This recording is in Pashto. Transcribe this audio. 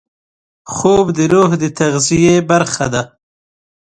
خوب د روح د تغذیې برخه ده